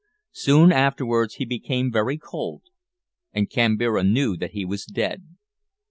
Soon afterwards he became very cold, and Kambira knew that he was dead.